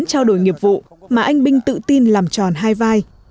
trao đổi nghiệp vụ mà anh binh tự tin làm tròn hai vai